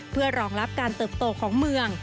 เพื่อรองรับการเติบโตของเมือง